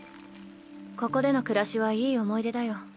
ここでの暮らしはいい思い出だよ。